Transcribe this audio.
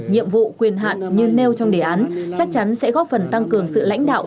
nhiệm vụ quyền hạn như nêu trong đề án chắc chắn sẽ góp phần tăng cường sự lãnh đạo